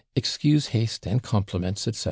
Excuse haste, and compliments, etc.